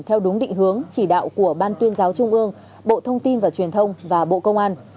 theo đúng định hướng chỉ đạo của ban tuyên giáo trung ương bộ thông tin và truyền thông và bộ công an